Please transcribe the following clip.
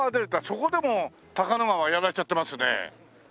そこでも高野川やられちゃってますね。